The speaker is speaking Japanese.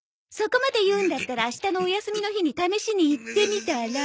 そこまで言うんだったら明日のお休みの日に試しに行ってみたら？